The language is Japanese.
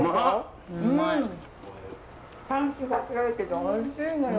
パンチが強いけどおいしいのよ